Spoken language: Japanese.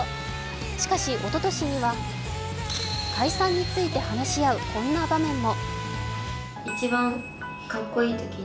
しかし、おととしには解散について話し合うこんな場面も。